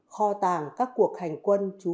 kho tàng các cuộc hành quân trú quân